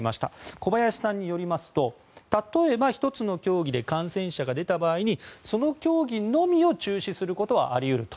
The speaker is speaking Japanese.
小林さんによりますと例えば１つの競技で感染者が出た場合その競技のみを中止することはあり得ると。